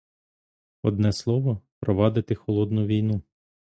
Одне слово, провадити холодну війну.